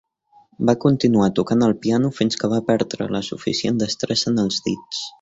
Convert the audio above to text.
Va continuar tocant el piano fins que va perdre la suficient destresa en els dits.